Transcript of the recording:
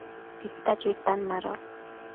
tita chuitan mado